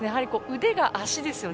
腕が足ですよね